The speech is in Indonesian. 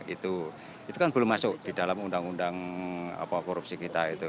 itu kan belum masuk di dalam undang undang korupsi kita itu